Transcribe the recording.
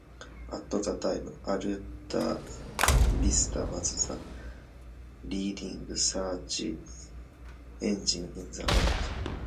At the time, Alta Vista was the leading search engine in the world.